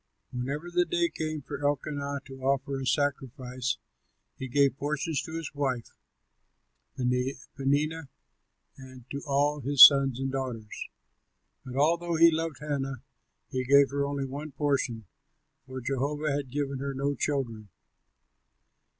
Whenever the day came for Elkanah to offer a sacrifice he gave portions to his wife Peninnah and to all his sons and daughters; but although he loved Hannah, he gave her only one portion, for Jehovah had given her no children.